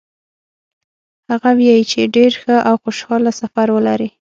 هغه وایي چې ډېر ښه او خوشحاله سفر ولرئ.